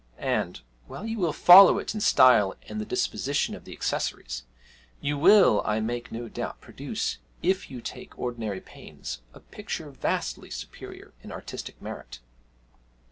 and, while you will follow it in style and the disposition of the accessories, you will, I make no doubt, produce, if you take ordinary pains, a picture vastly superior in artistic merit.'